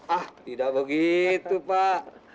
ah tidak begitu pak